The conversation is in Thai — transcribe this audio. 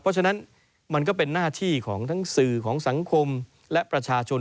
เพราะฉะนั้นมันก็เป็นหน้าที่ของทั้งสื่อของสังคมและประชาชน